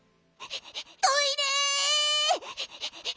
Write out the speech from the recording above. トイレ！